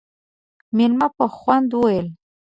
مېلمه په خوند وويل: